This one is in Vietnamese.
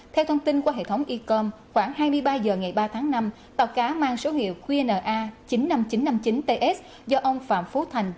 theo thông tin qua hệ thống ecom khoảng hai mươi ba h ngày ba tháng năm tàu cá mang số hiệu qna chín mươi năm nghìn chín trăm năm mươi chín ts do ông phạm phú thành